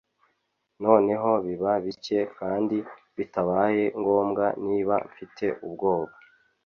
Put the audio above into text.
noneho biba bike kandi bitabaye ngombwa niba mfite ubwoba.”